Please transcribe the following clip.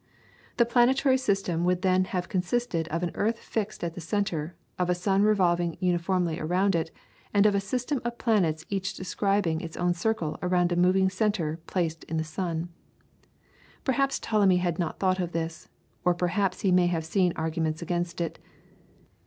The planetary system would then have consisted of an earth fixed at the centre, of a sun revolving uniformly around it, and of a system of planets each describing its own circle around a moving centre placed in the sun. Perhaps Ptolemy had not thought of this, or perhaps he may have seen arguments against it.